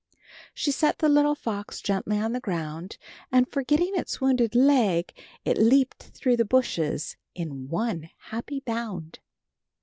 She set the little fox gently on the ground, and, forgetting its wounded leg, it leaped through the bushes at one happy bound.